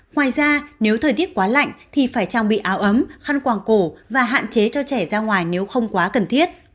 ngoài ra nếu thời tiết quá lạnh thì phải trang bị áo ấm khăn quảng cổ và hạn chế cho trẻ ra ngoài nếu không quá cần thiết